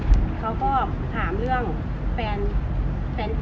เหมือนประมาณว่าเขามีแฟนอยู่แล้วแล้วเราไปกับพ่อเขาอีก